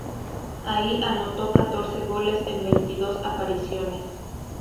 Ahí, anotó catorce goles en veintidós apariciones.